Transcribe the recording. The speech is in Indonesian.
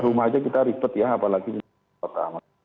rumah aja kita ripet ya apalagi di kota